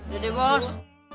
udah deh bos